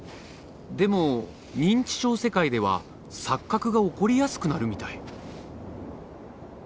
でも認知症世界では錯覚が起こりやすくなるみたい。